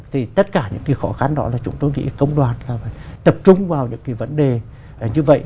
thì tất cả những cái khó khăn đó là chúng tôi nghĩ công đoàn là phải tập trung vào những cái vấn đề như vậy